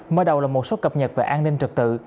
mở đầu là một số cập nhật về an ninh trật tự